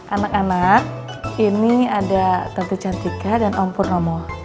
anak anak ini ada tentu cantika dan om purnomo